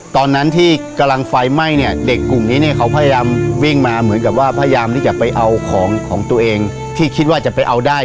ตอนนั้นที่กำลังไฟไหม้เนี่ยเด็กกลุ่มนี้เนี่ยเขาพยายามวิ่งมาเหมือนกับว่าพยายามที่จะไปเอาของของตัวเองที่คิดว่าจะไปเอาได้